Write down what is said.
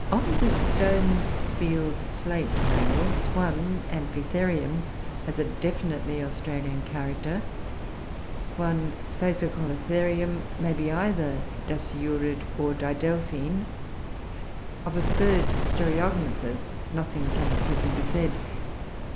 Of the Stonesfield slate mammals, one, Amphitherium, has a definitely Australian character; one, Phascolotherium, may be either Dasyurid or Didelphine; of a third, Stereognathus, nothing can at present be said.